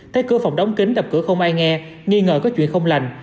tới cửa phòng đóng kính đập cửa không ai nghe nghi ngờ có chuyện không lành